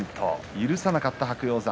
許さなかった白鷹山。